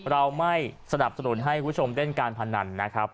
เราไม่สนับสนุนให้คุณผู้ชมเล่นการพนันนะครับ